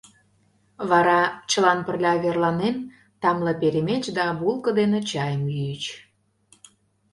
Вара чылан пырля верланен, тамле перемеч да булко дене чайым йӱыч.